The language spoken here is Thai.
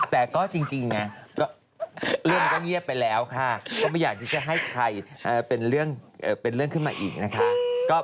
แต่ก็จริงเรื่องก็เงียบไปแล้วค่ะก็ไม่อยากที่จะให้ใครเป็นเรื่องขึ้นมาอีกนะคะ